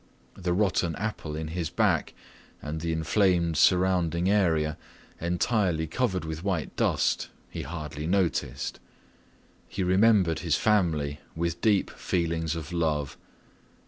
The rotten apple in his back and the inflamed surrounding area, entirely covered with white dust, he hardly noticed. He remembered his family with deep feelings of love.